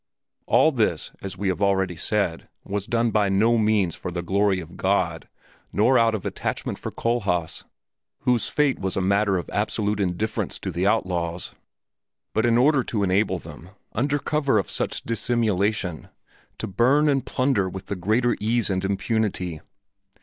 All this, as we have already said, was done by no means for the glory of God nor out of attachment for Kohlhaas, whose fate was a matter of absolute indifference to the outlaws, but in order to enable them, under cover of such dissimulation, to burn and plunder with the greater ease and impunity.